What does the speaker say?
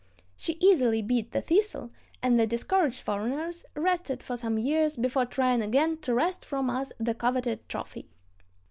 She easily beat the Thistle, and the discouraged foreigners rested for some years before trying again to wrest from us the coveted trophy.